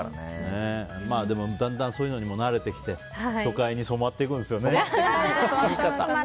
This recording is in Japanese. でも、だんだんそういうのにも慣れてきて都会に染まっていくんですよね。